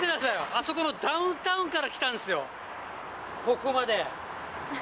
あそこのダウンタウンから来たんですよ、ここまで。